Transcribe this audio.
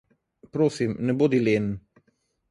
Prosim, ne bodi len.